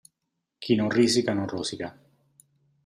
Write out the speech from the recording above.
Chi non risica non rosica.